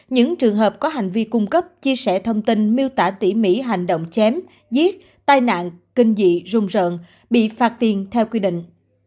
những trường hợp có hành vi cung cấp chia sẻ thông tin miêu tả tỉ mỉ hành động chém giết tai nạn kinh dị rung rợn bị phạt tiền theo quy định